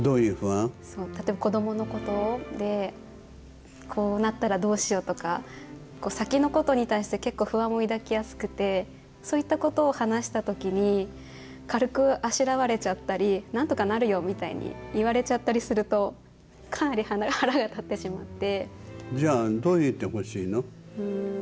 例えば子どものことで「こうなったらどうしよう」とか先のことに対して結構、不安を抱きやすくてそういったことを話した時に軽く、あしらわれちゃったり「何とかなるよ」みたいに言われちゃったりするとかなり腹が立ってしまって。